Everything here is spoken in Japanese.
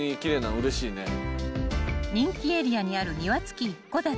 ［人気エリアにある庭付き一戸建て］